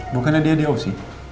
bukannya dia di oc